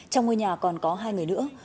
trong ngôi nhà còn có hai người nữa